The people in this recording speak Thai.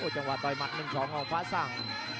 จังหวะต่อยมัด๑๒ของภาษัง